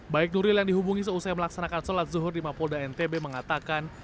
baik nuril yang dihubungi selesai melaksanakan sholat zuhur di mapolda ntb mengatakan